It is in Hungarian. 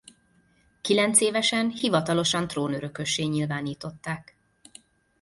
Kilencévesen hivatalosan trónörökössé nyilvánították.